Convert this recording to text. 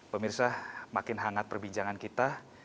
pemirsa makin hangat perbincangan kita